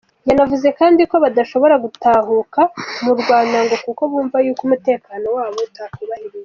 Yanavuze kandi ko badashobora gutahuka mu Rwanda ngo kuko bumva yuko umutekano wabo utakubahirizwa.